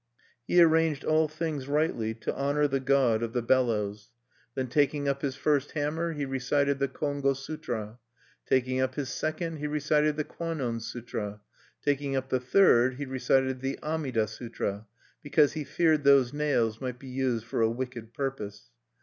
He arranged all things rightly to honor the God of the Bellows(4). Then taking up his first hammer, he recited the Kongo Sutra(5); taking up his second, he recited the Kwannon Sutra; taking up his third, he recited the Amida Sutra, because he feared those nails might be used for a wicked purpose.